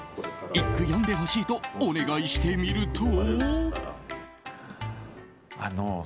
一句詠んでほしいとお願いしてみると。